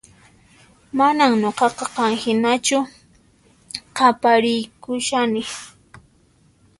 Manan nuqaqa qan hinachu qapariykushani